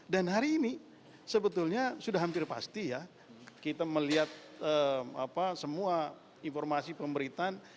dan hari ini sebetulnya sudah hampir pasti ya kita melihat semua informasi pemberitaan